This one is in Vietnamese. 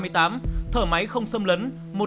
thở máy không xâm lấn